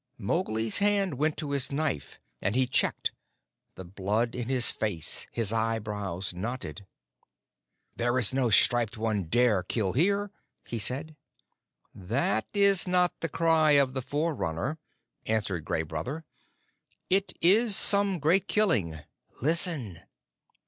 Mowgli's hand went to his knife, and he checked, the blood in his face, his eyebrows knotted. "There is no Striped One dare kill here," he said. "That is not the cry of the Forerunner," answered Gray Brother. "It is some great killing. Listen!"